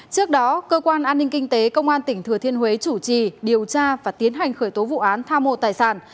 trước đó cơ quan an ninh kinh tế công an tỉnh thừa thiên huế chủ trì điều tra và tiến hành khởi tố vụ án tha mô tài sản